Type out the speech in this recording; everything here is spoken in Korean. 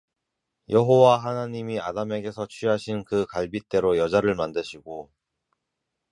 여호와 하나님이 아담에게서 취하신 그 갈빗대로 여자를 만드시고